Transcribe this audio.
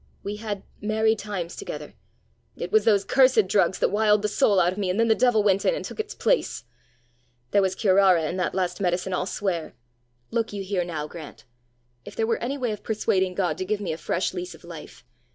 We had merry times together! It was those cursed drugs that wiled the soul out of me, and then the devil went in and took its place! There was curara in that last medicine, I'll swear! Look you here now, Grant: if there were any way of persuading God to give me a fresh lease of life!